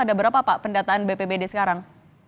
ada berapa pak pendataan bpbd sekarang